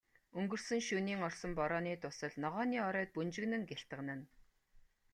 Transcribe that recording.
Өнгөрсөн шөнийн орсон борооны дусал ногооны оройд бөнжгөнөн гялтганана.